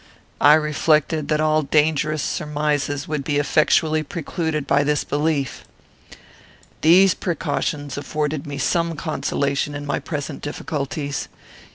I reflected that all dangerous surmises would be effectually precluded by this belief. "These precautions afforded me some consolation in my present difficulties.